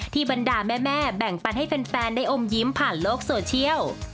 บรรดาแม่แบ่งปันให้แฟนได้อมยิ้มผ่านโลกโซเชียล